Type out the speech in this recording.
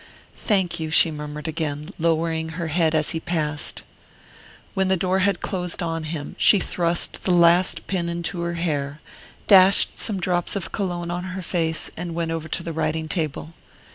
"Thank you," she murmured again, lowering her head as he passed. When the door had closed on him she thrust the last pin into her hair, dashed some drops of Cologne on her face, and went over to the writing table.